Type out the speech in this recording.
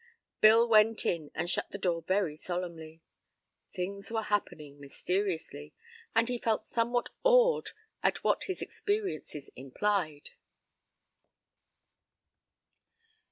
Bill went in and shut the door very solemnly. Things were happening mysteriously, and he felt somewhat awed at what his experiences implied.